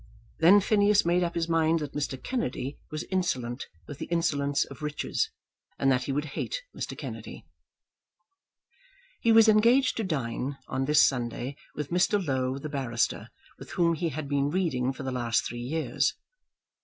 Then Phineas made up his mind that Mr. Kennedy was insolent with the insolence of riches, and that he would hate Mr. Kennedy. He was engaged to dine on this Sunday with Mr. Low, the barrister, with whom he had been reading for the last three years.